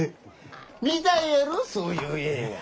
見たいやろそういう映画。